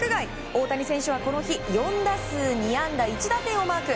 大谷選手はこの日４打数２安打１打点をマーク。